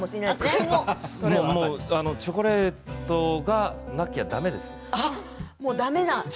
チョコレートがなきゃだめなんです。